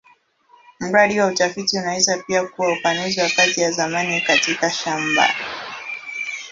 Mradi wa utafiti unaweza pia kuwa upanuzi wa kazi ya zamani katika shamba.